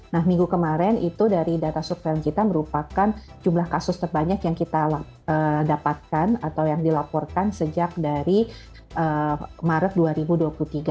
nah minggu kemarin itu dari data surveillance kita merupakan jumlah kasus terbanyak yang kita dapatkan atau yang dilaporkan sejak dari maret dua ribu dua puluh tiga